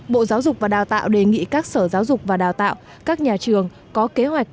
bộ giáo dục và đào tạo đề nghị các sở giáo dục và đào tạo các nhà trường có kế hoạch